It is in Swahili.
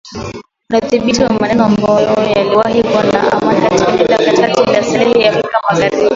udhibiti wa maeneo ambayo yaliwahi kuwa na amani katika eneo la Katikati mwa Saheli huko Afrika magharibi